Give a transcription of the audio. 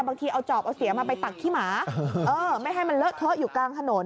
บางทีเอาจอบเอาเสียมาไปตักขี้หมาไม่ให้มันเลอะเทอะอยู่กลางถนน